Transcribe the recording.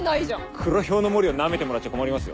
「黒ヒョウのモリ」をナメてもらっちゃ困りますよ。